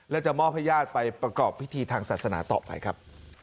และจะมอบให้ญาติไปประกอบพิธีทางศาสนาต่อไปครับ